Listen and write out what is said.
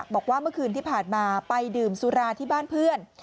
บอกว่าเมื่อคืนที่ผ่านมาไปดื่มสุราที่บ้านเพื่อน